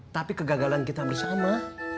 tapi kegagalan kita bersama